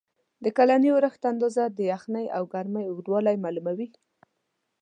د کلني اورښت اندازه، د یخنۍ او ګرمۍ اوږدوالی معلوموي.